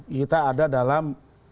kita ada dalam